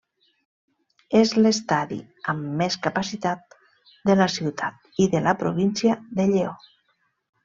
És l'estadi amb més capacitat de la ciutat i de la província de Lleó.